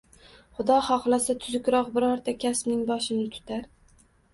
Xudo xohlasa, tuzukroq birorta kasbning boshini tutar.